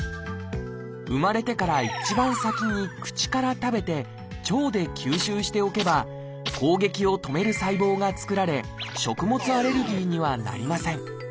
生まれてから一番先に口から食べて腸で吸収しておけば攻撃を止める細胞が作られ食物アレルギーにはなりません。